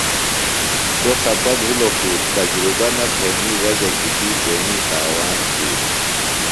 سوۡ خپہ بِھلوۡ خوۡ تجربہ نہ بھئینی وجہ کیۡ تی تیݨیۡ تاوان تِھیلیۡ۔